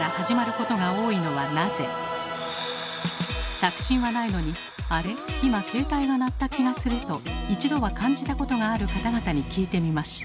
着信はないのに「あれ？今携帯が鳴った気がする」と一度は感じたことがある方々に聞いてみました。